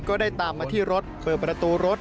ก็ได้ตามมาที่รถเปิดประตูรถ